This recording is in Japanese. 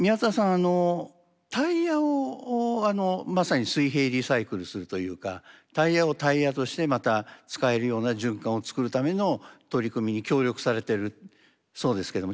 あのタイヤをまさに水平リサイクルするというかタイヤをタイヤとしてまた使えるような循環を作るための取り組みに協力されてるそうですけども。